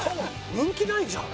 人気ないじゃん。